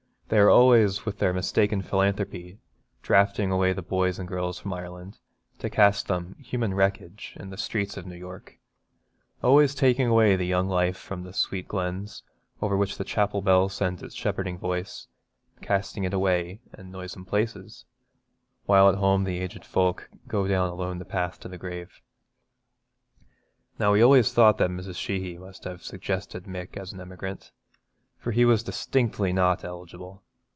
They are always, with their mistaken philanthropy, drafting away the boys and girls from Ireland, to cast them, human wreckage, in the streets of New York; always taking away the young life from the sweet glens over which the chapel bell sends its shepherding voice, and casting it away in noisome places, while at home the aged folk go down alone the path to the grave. Now we always thought that Mrs. Sheehy must have suggested Mick as an emigrant, for he was distinctly not eligible.